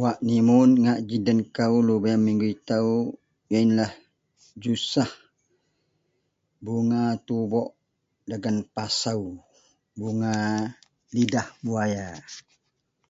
Wak nimun ngak ji den kou lubeang minggu itou yenlah jusah bunga tubok dagen pasou, bunga lidah buaya